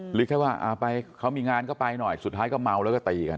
หรือแค่ว่าเขามีงานก็ไปหน่อยสุดท้ายก็เมาแล้วก็ตีกัน